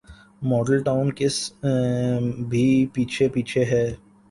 Model Town case بھی پیچھے پیچھے ہے۔